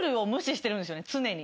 常に。